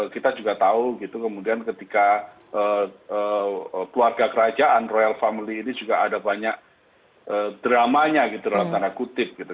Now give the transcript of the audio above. kita juga tahu gitu kemudian ketika keluarga kerajaan royal family ini juga ada banyak dramanya gitu dalam tanda kutip gitu